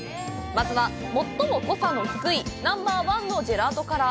まずは、最も濃さの低いナンバーワンのジェラートから。